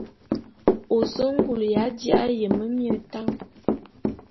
Ô se ngul ya ji'a yeme mie tan.